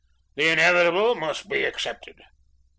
The inevitable must be accepted.